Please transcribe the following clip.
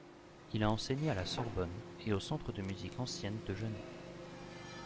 Il a enseigné à la Sorbonne et au Centre de musique ancienne de Genève.